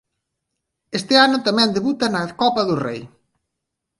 Ese ano tamén debuta na Copa do Rei.